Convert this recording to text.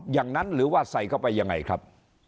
อย่างนั้นหรือว่าใส่เข้าไปยังไงครับ